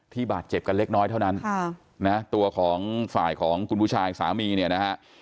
บาดเจ็บกันเล็กน้อยเท่านั้นตัวของฝ่ายของคุณผู้ชายสามีเนี่ยนะฮะ